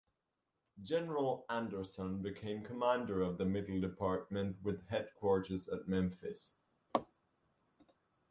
General Anderson became commander of the Middle Department with headquarters at Memphis.